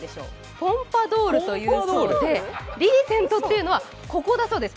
ポンパドールということで、リーゼントというのは、ここだそうです。